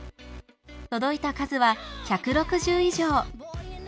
届いた数は１６０以上。